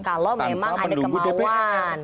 kalau memang ada kemauan